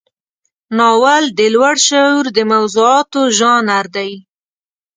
ناول د لوړ شعور د موضوعاتو ژانر دی.